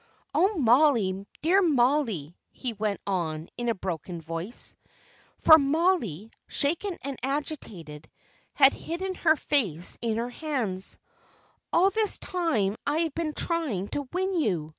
"Oh, Mollie, dear Mollie!" he went on, in a broken voice for Mollie, shaken and agitated, had hidden her face in her hands "all this time I have been trying to win you.